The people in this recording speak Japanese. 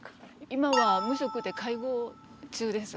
今は無職で介護中です。